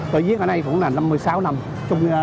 tôi diễn ở đây cũng là năm mươi sáu năm